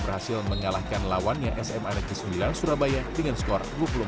berhasil mengalahkan lawannya sma negeri sembilan surabaya dengan skor dua puluh empat